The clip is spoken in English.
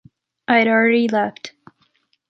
I’d already left.